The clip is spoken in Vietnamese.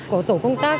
của tổ công tác